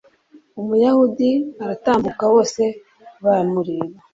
umuyahudi aratambuka bose bamureba